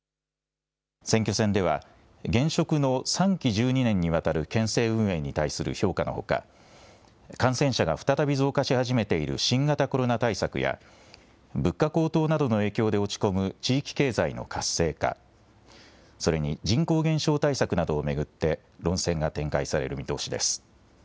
選挙戦では現職の３期１２年にわたる県政運営に対する評価のほか、感染者が再び増加し始めている新型コロナ対策や物価高騰などの影響で落ち込む地域経済の活性化、それに人口減少対策などを巡って論戦が展開される見通しです。